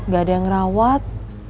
gak ada yang ngerawat